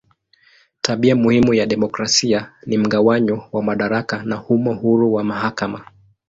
Tabia muhimu ya demokrasia ni mgawanyo wa madaraka na humo uhuru wa mahakama.